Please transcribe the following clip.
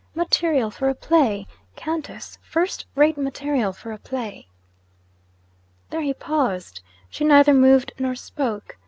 Material for a play, Countess first rate material for a play!' There he paused. She neither moved nor spoke.